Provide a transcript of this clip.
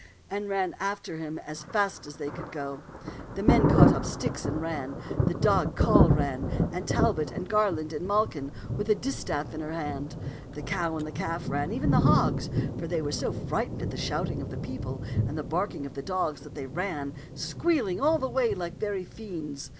and ran after him as fast as they could go. The men caught up sticks and ran; the dog Coll ran; and Talbot and Garland and Malkin with a distaff in her hand ; the cow and the calf ran ; and even the 98 t^t (nm'0 ^xmfB taU hogs, for they were so frightened at the shouting of the people and the barking of the dogs that they ran, squealing all the way like very fiends.